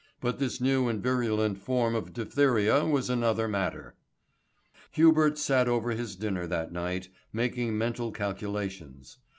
But this new and virulent form of diphtheria was another matter. Hubert sat over his dinner that night, making mental calculations.